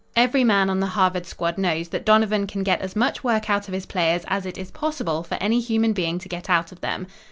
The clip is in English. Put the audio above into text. Every man on the Harvard squad knows that Donovan can get as much work out of his players as it is possible for any human being to get out of them.